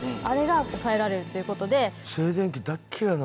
あれが抑えられるということで。